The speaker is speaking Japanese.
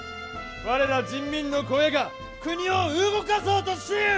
我ら人民の声が国を動かそうとしゆう！